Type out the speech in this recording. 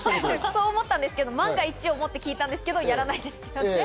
そう思ったんですけど、万が一を思って聞いたんですけど、やらないんですね。